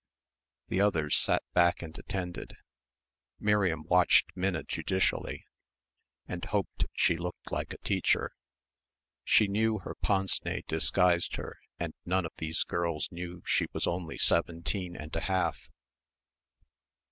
The others sat back and attended. Miriam watched Minna judicially, and hoped she looked like a teacher. She knew her pince nez disguised her and none of these girls knew she was only seventeen and a half.